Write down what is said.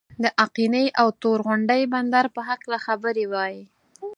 د آقینې او تور غونډۍ بندر په هکله خبرې وای.